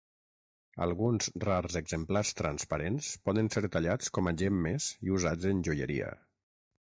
Alguns rars exemplars transparents poden ser tallats com a gemmes i usats en joieria.